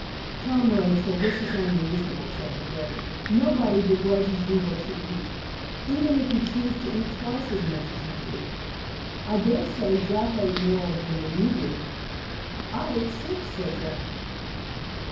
"Come, Rachel, this is unreasonable," said her brother. "Nobody begrudges you what you eat, even if you choose to eat twice as much as you do. I dare say, Jack ate more of them than you did." "I ate six," said Jack.